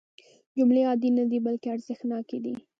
جملې عادي نه دي بلکې ارزښتناکې دي.